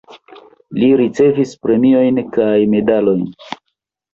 Li ricevis premiojn kaj medalojn.